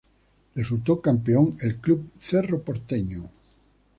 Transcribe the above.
Resultó campeón el Club Cerro Porteño.